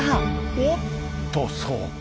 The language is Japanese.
おおっとそうか。